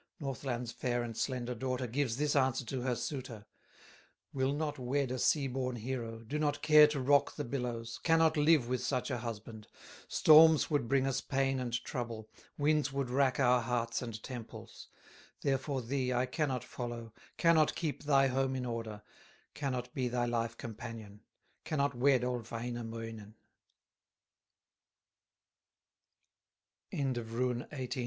Northland's fair and slender daughter Gives this answer to her suitor: "Will not wed a sea born hero, Do not care to rock the billows, Cannot live with such a husband; Storms would bring us pain and trouble, Winds would rack our hearts and temples; Therefore thee I cannot follow, Cannot keep thy home in order, Cannot be thy life companion, Cannot wed old Wainamoinen." RUNE XIX. ILMARINEN'S WOOI